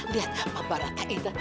lihat pak barata itu